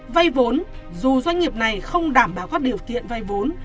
vây vốn dù doanh nghiệp này không đảm bảo các điều kiện vây vốn